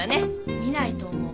見ないと思う。